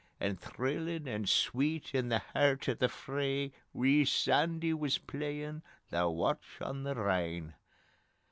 And thrillin' and sweet in the hert o' the fray Wee Sandy wis playin' 'The Watch on the Rhine'.